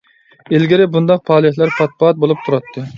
ئىلگىرى بۇنداق پائالىيەتلەر پات-پات بولۇپ تۇراتتى.